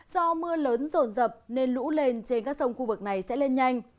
do mưa lớn rồn rập nên lũ lên trên các sông khu vực này sẽ lên nhanh